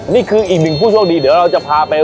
นี่คืออีกหนึ่งผู้โชคดีเดี๋ยวเราจะพาไป